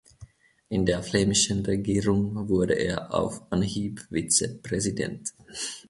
In der flämischen Regierung wurde er auf Anhieb Vize-Ministerpräsident.